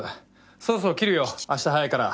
そろそろ切るよ明日早いから。